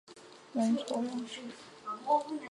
南朝梁二王后之一。